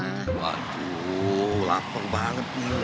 waduh lapar banget nih udah gak tahan sekarang aja